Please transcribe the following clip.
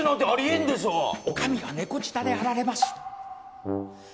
お上は猫舌であられます